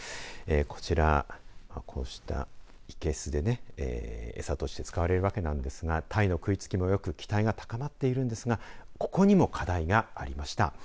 こちら、こうした生けすで餌として使われるわけなんですがたいの食いつきもよく期待が高まっていますがここにも課題がありました。